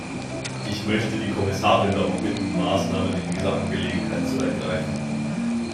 Ich möchte die Kommissarin darum bitten, Maßnahmen in dieser Angelegenheit zu ergreifen.